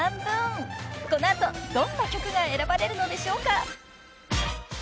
［この後どんな曲が選ばれるのでしょうか？］